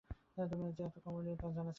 তুমি যে এতটা কমনীয়, তা জানা ছিল না।